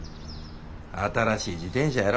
新しい自転車やろ？